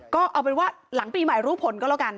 ก็เอาเป็นว่าหลังปีใหม่รู้ผลก็แล้วกัน